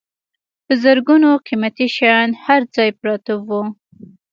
په زرګونو قیمتي شیان هر ځای پراته وو.